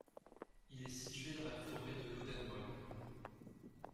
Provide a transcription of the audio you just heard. Il est situé dans la forêt de l'Odenwald.